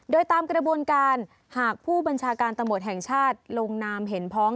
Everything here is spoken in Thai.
โดยตามกระบวนการหากผู้บัญชาการตำรวจแห่งชาติลงนามเห็นพ้อง